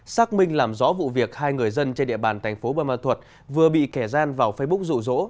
xác minh làm rõ vụ việc hai người dân trên địa bàn thành phố bâm ma thuật vừa bị kẻ gian vào facebook rụ rỗ